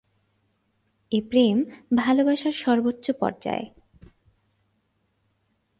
এ প্রেম ভালোবাসার সর্ব্বোচ্চ পর্যায়।